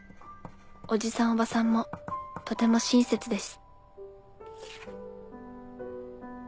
おじさんおばさんもとても親切です」。